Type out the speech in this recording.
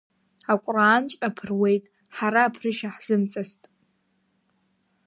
Аҟәраанҵәҟьа ԥыруеит, ҳара аԥрышьа ҳзымҵацт…